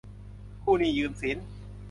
กู้หนี้ยืมสิน